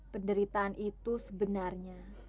penderitaan itu sebenarnya